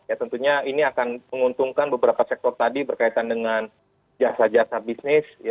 ya tentunya ini akan menguntungkan beberapa sektor tadi berkaitan dengan jasa jasa bisnis